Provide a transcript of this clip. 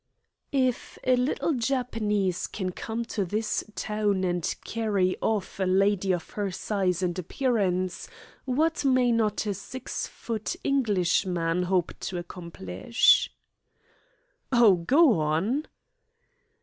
"If a little Japanese can come to this town and carry off a lady of her size and appearance, what may not a six foot Englishman hope to accomplish?" "Oh, go on!"